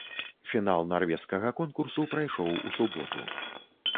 Фінал нарвежскага конкурсу прайшоў у суботу.